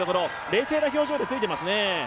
冷静な表情でついていますね。